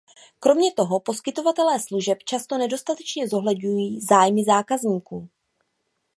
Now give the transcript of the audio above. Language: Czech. Kromě toho poskytovatelé služeb často nedostatečně zohledňují zájmy zákazníků.